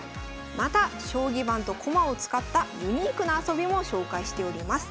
また将棋盤と駒を使ったユニークな遊びも紹介しております。